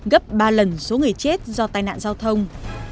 gấp ba lần số người chết do tai nạn giao thông